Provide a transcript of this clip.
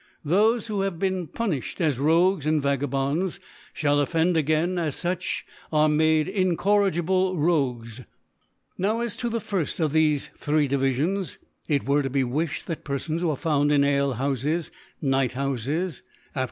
thofe who hav ing been puniflied as Rogues and Vaga bonds, fhall offend again as fuch, are made incorrigible Rogyes. Now ( 139 ) Now as to the firft of thefe ihree Divi* (ions, it were to be wilhed, that Perfon^ who are found in Alehoufes, Nighthoufes, fcfr. after.